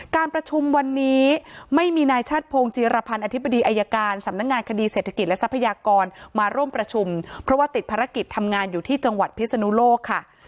การประชุมวันนี้ไม่มีนายชาติพงศ์จีรพันธ์อธิบดีอายการสำนักงานคดีเศรษฐกิจและทรัพยากรมาร่วมประชุมเพราะว่าติดภารกิจทำงานอยู่ที่จังหวัดพิศนุโลกค่ะ